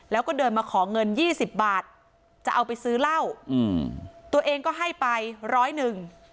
แล้วก็เดินมาขอเงินยี่สิบบาทจะเอาไปซื้อเหล้าอืมตัวเองก็ให้ไปร้อยหนึ่ง